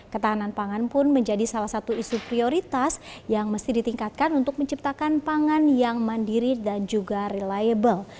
ketahanan pangan pun menjadi salah satu isu prioritas yang mesti ditingkatkan untuk menciptakan pangan yang mandiri dan juga reliable